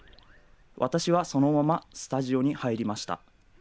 私はそのままスタジオに入りました。